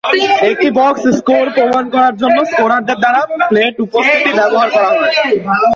একটি box score "প্রমাণ" করার জন্য স্কোরারদের দ্বারা প্লেট উপস্থিতি ব্যবহার করা হয়।